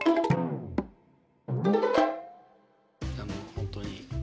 本当に。